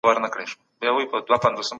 د کوچيانو هنرونه څه ډول وو؟